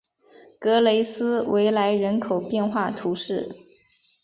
格雷斯维莱人口变化图示